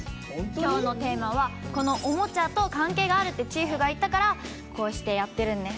今日のテーマはこのおもちゃと関係があるってチーフが言ったからこうしてやってるんです。